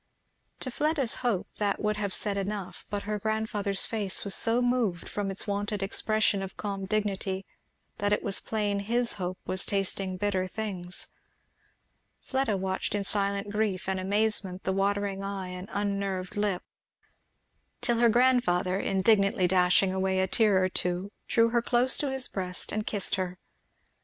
To Fleda's hope that would have said enough; but her grandfather's face was so moved from its wonted expression of calm dignity that it was plain his hope was tasting bitter things. Fleda watched in silent grief and amazement the watering eye and unnerved lip; till her grandfather indignantly dashing away a tear or two drew her close to his breast and kissed her.